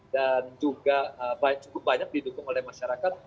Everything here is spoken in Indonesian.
dan juga cukup banyak didukung oleh masyarakat